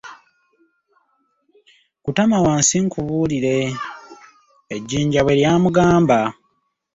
Kutama wansi, nkubulire, ejinja bwe ly'amugamba.